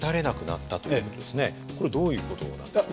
これどういう事なんですか。